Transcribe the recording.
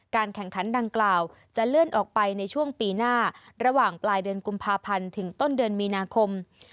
แข่งขันดังกล่าวจะเลื่อนออกไปในช่วงปีหน้าระหว่างปลายเดือนกุมภาพันธ์ถึงต้นเดือนมีนาคม